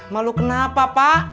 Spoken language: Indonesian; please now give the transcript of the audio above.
malu kenapa pak